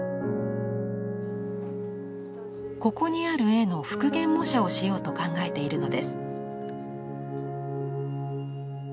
ここにある絵の復元模写をしようと考えているのです。